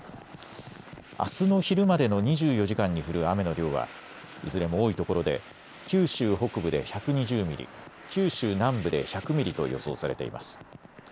あすの昼までの２４時間に降る雨の量はいずれも多いところで九州北部で１２０ミリ、九州南部で１００ミリと予想されています。